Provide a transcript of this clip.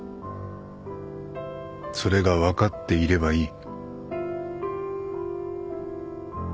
それが分かっていればいい。